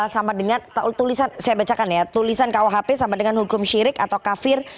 sama dengan saya bacakan ya tulisan kuhp sama dengan hukum syirik atau kafir